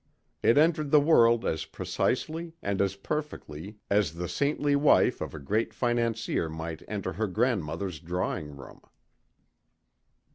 It entered the world as precisely and as perfectly as the saintly wife of a great financier might enter her grandmother's drawing room.